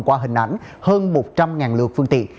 qua hình ảnh hơn một trăm linh lượt phương tiện